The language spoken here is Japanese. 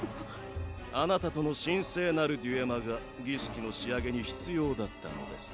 あなたとの神聖なるデュエマが儀式の仕上げに必要だったのです。